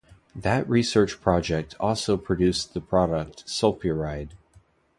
That research project also produced the product sulpiride.